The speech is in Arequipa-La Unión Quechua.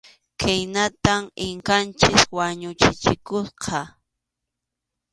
Khaynatam Inkanchik wañuchichikusqa.